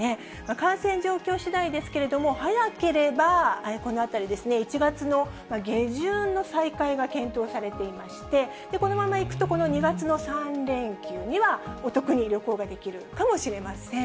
感染状況しだいですけれども、早ければ、このあたりですね、１月の下旬の再開が検討されていまして、このままいくと、この２月の３連休にはお得に旅行ができるかもしれません。